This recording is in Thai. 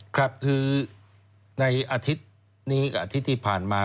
ครับคือในอาทิตย์นี้กับอาทิตย์ที่ผ่านมา